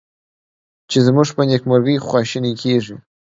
چې زمونږ په نیکمرغي خواشیني کیږي